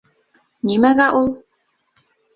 Нимәгә ул...